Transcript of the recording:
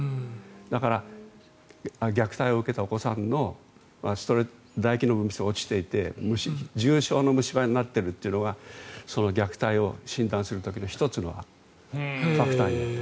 だから、虐待を受けたお子さんのだ液の分泌が落ちていて重症の虫歯になっているというのは虐待を診断する時の１つのファクターになる。